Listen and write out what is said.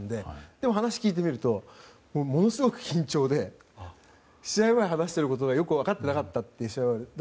でも、話を聞いてみるとものすごく緊張で試合前、話していることがよく分かってなかったって試合後に言っていて。